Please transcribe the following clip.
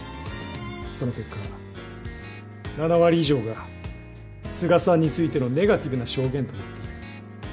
その結果７割以上が都賀さんについてのネガティブな証言となっている。